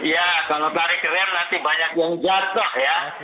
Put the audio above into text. ya kalau tarik rem nanti banyak yang jatuh ya